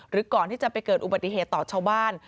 ก่อนที่จะไปเกิดอุบัติเหตุต่อชาวบ้าน